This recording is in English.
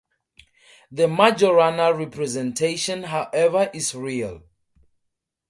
The Majorana representation however is real.